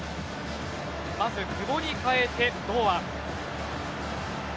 まず久保に変えて堂安。